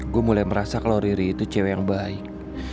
gua mulai merasa kalo riri itu cewek yang baik